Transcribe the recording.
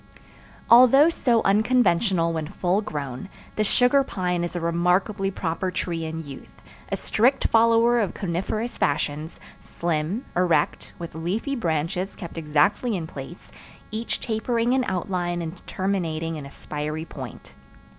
Although so unconventional when full grown, the sugar pine is a remarkably proper tree in youth—a strict follower of coniferous fashions—slim, erect, with leafy branches kept exactly in place, each tapering in outline and terminating in a spiry point.